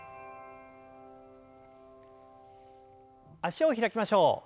脚を開きましょう。